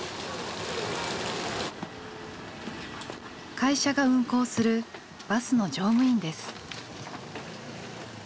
会社が運行するバスの乗務員です。